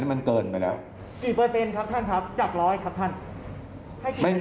กี่เปอร์เซ็นต์ครับท่านครับจับร้อยครับท่าน